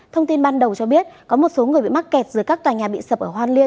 thông tin ban đầu cho biết có một số người bị mắc kẹt giữa các tòa nhà bị sập